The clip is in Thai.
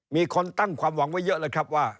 มีคนตั้งความหวังไว้เยอะเลยครับว่า